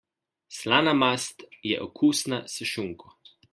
Slana mast je okusna s šunko.